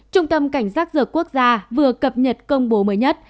trung tâm cảnh giác rửa quốc gia vừa cập nhật công bố mới nhất